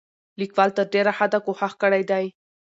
لیکوال تر ډېره حده کوښښ کړی دی،